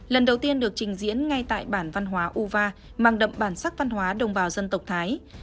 lần đầu tiên được trình diễn ngay tại bản văn hóa u va mang đậm bản sắc văn hóa đồng vào dân tộc thái